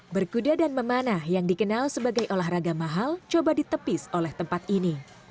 berkuda dan memanah yang dikenal sebagai olahraga mahal coba ditepis oleh tempat ini